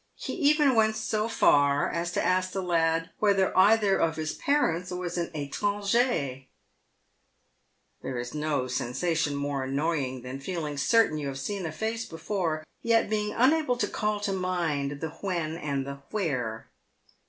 He even went so far as to ask the lad whether either of his parents was an Stranger. There is no sensation more annoying than feeling certain you have seen a face before, and yet being unable to call to mind the w r hen and the where.